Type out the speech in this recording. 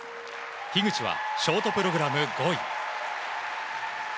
樋口はショートプログラム５位。